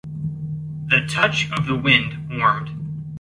The touch of the wind warmed.